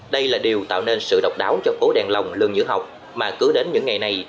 đây là điều tạo nên sự độc đáo cho phố đèn lồng lương giữa học mà cứ đến những ngày này